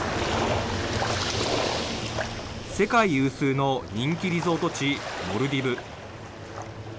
世界有数の人気リゾート地、モルディブ。